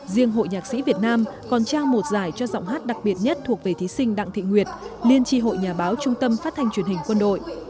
riêng hội nhạc sĩ việt nam còn trao một giải cho giọng hát đặc biệt nhất thuộc về thí sinh đặng thị nguyệt liên tri hội nhà báo trung tâm phát thanh truyền hình quân đội